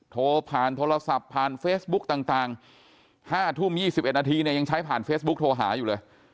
โทรผ่านโทรศัพท์ผ่านเฟซบุ๊กต่าง๕ทุ่ม๒๑นาทีเนี่ยยังใช้ผ่านเฟซบุ๊คโทรหาอยู่เลย